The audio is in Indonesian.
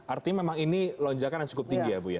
artinya memang ini lonjakan yang cukup tinggi ya bu ya